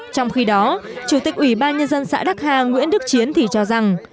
trong khi đó chủ tịch ủy ban nhân dân xã đắc hà nguyễn đức chiến thì cho rằng